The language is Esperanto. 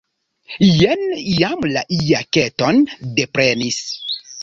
Jen jam la jaketon deprenis.